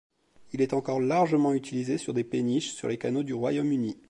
Il est encore largement utilisé sur des péniches sur les canaux du Royaume-Uni.